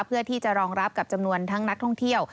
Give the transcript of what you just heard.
เพื่อที่จะรองรับกับจำนวนทั้งนักท่องเที่ยว